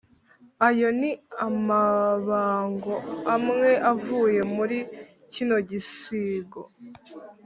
ayo ni amabango amwe avuye muri kino gisigo